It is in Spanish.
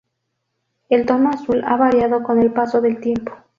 El tono azul ha variado con el paso del tiempo.